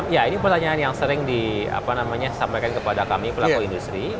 ya ini pertanyaan yang sering disampaikan kepada kami pelaku industri